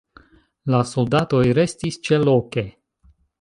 La soldatoj restis ĉeloke.